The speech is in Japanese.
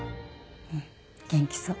うん元気そう。